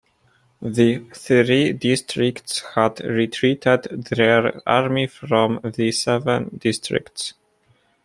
The Three Districts had retreated their army from the Seven Districts.